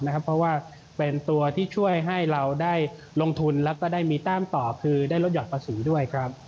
เพราะว่าเป็นตัวที่ช่วยให้เราได้ลงทุนแล้วก็ได้มีแต้มต่อคือได้ลดหอดภาษีด้วยครับ